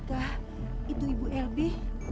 apakah itu ibu elbi